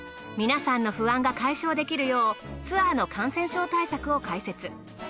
皆さんの不安が解消できるようツアーの感染症対策を解説。